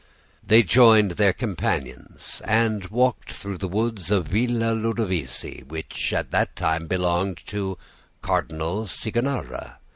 "They joined their companions and walked through the woods of Villa Ludovisi, which at that time belonged to Cardinal Cicognara.